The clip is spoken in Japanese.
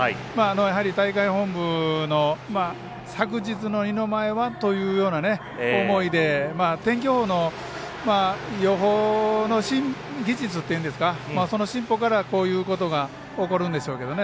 やはり大会の本部の昨日の二の舞はというような思いで天気予報の予報の事実というかその進歩から、こういうことが起こるんでしょうけどね。